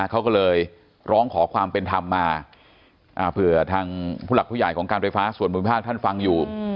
เขาก็เลยร้องขอความเป็นธรรมมาเผื่อทางผู้หลักผู้ใหญ่ของการไฟฟ้าส่วนภูมิภาคท่านฟังอยู่